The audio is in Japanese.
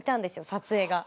撮影が。